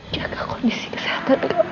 jaga kondisi kesehatan kamu